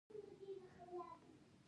سېلاب داسې ليکل کېږي